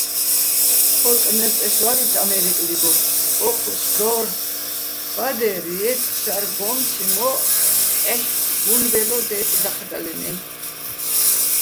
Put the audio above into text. ფო́ლკნერ წეშ ვარიც ამე́რიკლიგო, ო́ჴუს დო́რ: ბადერ ჲეთხ შარგო́მციჼ მო́ჸ, ფჰ̦ეჰ̦, ბუნბელო დე́წე̆ დაჴდალანაჲნო̆.